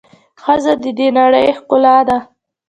ښځه د د نړۍ ښکلا ده.